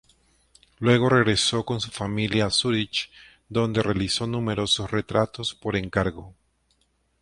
Luego regresó con su familia a Zurich donde realizó numerosos retratos por encargo.